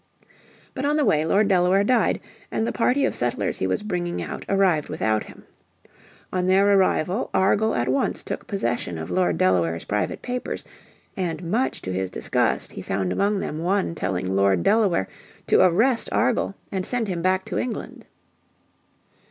But on the way Lord Delaware died, and the party of settlers he was bringing out arrived without him. On their arrival Argall at once took possession of Lord Delaware's private papers, and much to his disgust he found among them one telling Lord Delaware to arrest Argall and send him back to England.